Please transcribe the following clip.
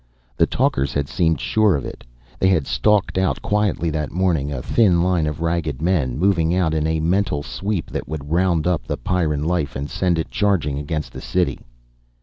The talkers had seemed sure of it. They had stalked out quietly that morning, a thin line of ragged men, moving out in a mental sweep that would round up the Pyrran life and send it charging against the city.